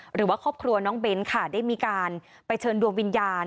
หรือว่าครอบครัวน้องเบ้นค่ะได้มีการไปเชิญดวงวิญญาณ